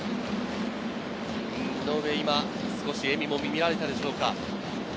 井上、今、少し笑みも見られたでしょうか。